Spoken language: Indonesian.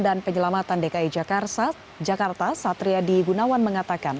dan penyelamatan dki jakarta satriadi gunawan mengatakan